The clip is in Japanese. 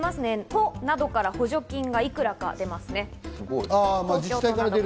都などから補助がいくらか出ます。